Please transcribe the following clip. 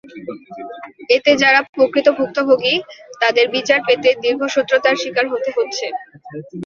এতে যাঁরা প্রকৃত ভুক্তভোগী, তাঁদের বিচার পেতে দীর্ঘসূত্রতার শিকার হতে হচ্ছে।